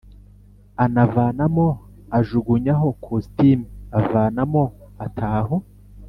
avanamo ajugunyaho kostime avanamo ataho